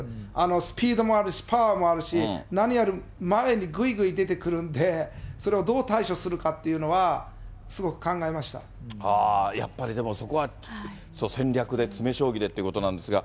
スピードもあるし、パワーもあるし、何より前に、ぐいぐい出てくるんで、それをどう対処するかっていうのは、すごやっぱりでもそこは、戦略で、詰め将棋でってことなんですが。